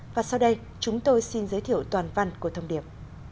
và sau đây chúng tôi xin giới thiệu toàn văn của thông điệp